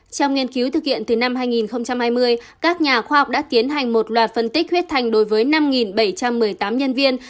trong nghiên cứu thực hiện từ năm hai nghìn hai mươi các nhà khoa học đã tiến hành một loạt phân tích huyết thành đối với năm bảy trăm một mươi tám nhân viên